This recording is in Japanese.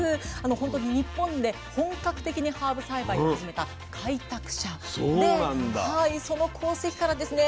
本当に日本で本格的にハーブ栽培を始めた開拓者でその功績からですね